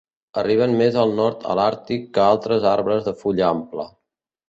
Arriben més al nord a l'Àrtic que altres arbres de fulla ampla.